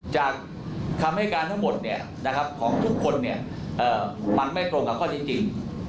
จากคำให้การทั้งหมดของทุกคนมันไม่ตรงกับข้อจริง